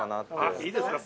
「いいですか？